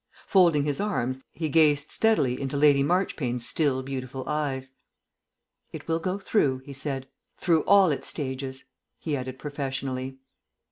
Folding his arms, he gazed steadily into Lady Marchpane's still beautiful eyes. "It will go through," he said. "Through all its stages," he added professionally.